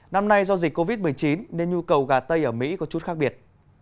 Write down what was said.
năm nay do dịch covid một mươi chín nên nhu cầu gà tây ở mỹ có chút khác biệt